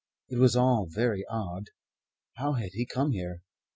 It was all very odd. How had he come here?